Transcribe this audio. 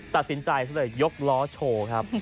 ตัดสินใจซะเลยยกล้อโชว์ครับ